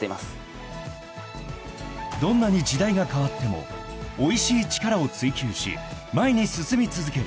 ［どんなに時代が変わってもおいしい力を追求し前に進み続ける］